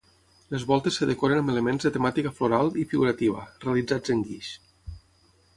Les voltes es decoren amb elements de temàtica floral i figurativa, realitzats en guix.